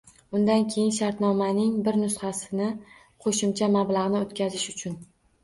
Undan keyin, shartnomaning bir nusxasini qo‘shimcha mablag‘ni o‘tkazish uchun